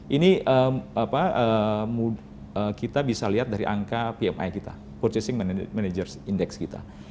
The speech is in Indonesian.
ini kita bisa lihat dari angka pmi kita purchasing managers index kita